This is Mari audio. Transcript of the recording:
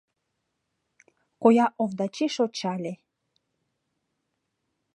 Коя Овдачи шочале.